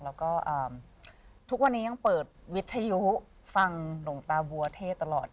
แล้วก็ทุกวันนี้ยังเปิดวิทยุฟังหลวงตาบัวเทศตลอด